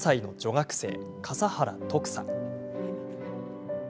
学生笠原徳さん。